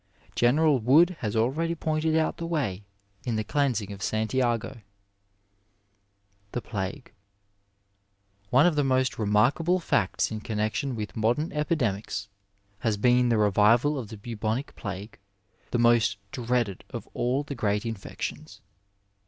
General Wood has already pointed out the way in the cleansing of Santiago. The Plague. — One of the most remarkable bets in connexion with modem epidemics has been the revival of the bubonic plague, the most dreaded of all the great infections.